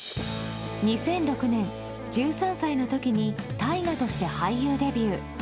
２００６年、１３歳の時に太賀として俳優デビュー。